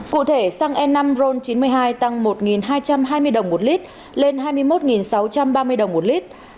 cụ thể xăng e năm ron chín mươi hai tăng một hai trăm hai mươi đồng một lít lên hai mươi một sáu trăm ba mươi đồng một lít